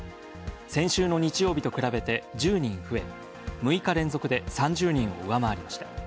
先週の日曜日と比べて１０人増え、６日連続で３０人を上回りました。